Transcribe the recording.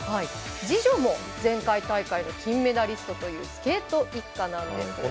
次女も前回大会の金メダリストというスケート一家なんです。